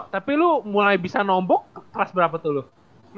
tapi lu mulai bisa nombok kelas berapa tuh lo